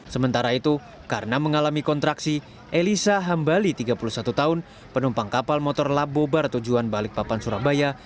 sementara itu karena mengalami kontraksi elisa hambali tiga puluh satu tahun penumpang kapal motor labobar tujuan balikpapan surabaya